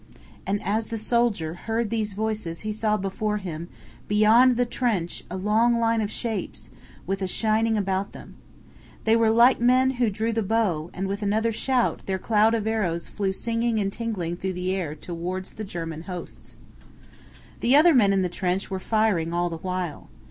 And as the soldier heard these voices he saw before him, beyond the trench, a long line of shapes, with a shining about them. They were like men who drew the bow, and with another shout, their cloud of arrows flew singing and tingling through the air towards the German hosts. The other men in the trench were firing all the while.